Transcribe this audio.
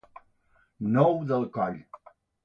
Nou del coll.